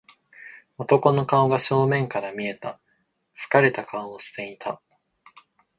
男の顔が正面から見えた。疲れた顔をしていた。